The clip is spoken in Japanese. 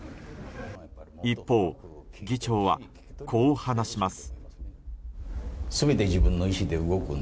一方、議長はこう話します。